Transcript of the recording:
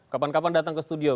kapan kapan datang ke studio